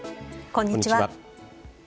こんにちは。